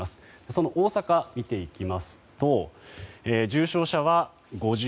その大阪を見ていきますと重症者は５１人。